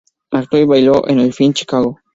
Actuó y bailó en el film Chicago.